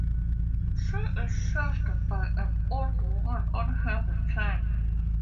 She is shaved by an old woman on her return.